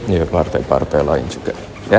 dengan partai partai lain juga